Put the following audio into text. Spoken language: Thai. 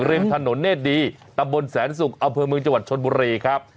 ริมถนนเนธดีตำบลแสนสุกอำเภอเมืองจังหวัดชนบุรีครับ